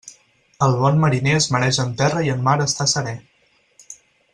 El bon mariner es mareja en terra i en mar està seré.